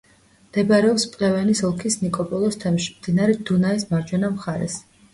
მდებარეობს პლევენის ოლქის ნიკოპოლის თემში, მდინარე დუნაის მარჯვენა მხარეს.